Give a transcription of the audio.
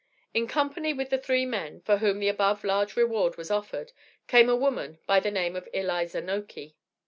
In company with the three men, for whom the above large reward was offered, came a woman by the name of Eliza Nokey.